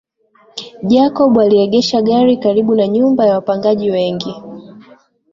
Jacob aliegesha gari karibu na nyumba ya wapngaji wengi